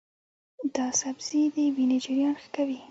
دا سبزی د وینې جریان ښه کوي.